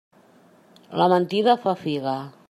La mentida fa figa.